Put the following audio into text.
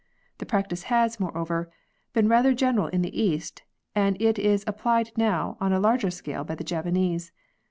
The practice has, moreover, been rather general in the East and it is applied now on a larger scale by the Japanese.